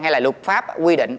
hay là luật pháp quy định